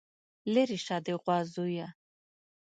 ليرې شه د غوا زويه.